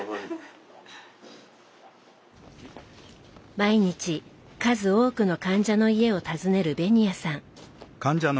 毎日数多くの患者の家を訪ねる紅谷さん。